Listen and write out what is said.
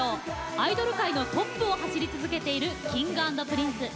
アイドル界のトップを走り続けているＫｉｎｇ＆Ｐｒｉｎｃｅ。